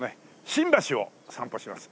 新橋を散歩します。